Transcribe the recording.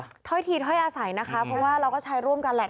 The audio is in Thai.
ก็ถ้อยทีถ้อยอาศัยนะคะเพราะว่าเราก็ใช้ร่วมกันแหละ